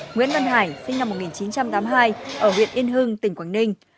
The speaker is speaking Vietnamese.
nguyễn văn hải sinh năm một nghìn chín trăm tám mươi hai ở huyện yên hưng tỉnh quảng ninh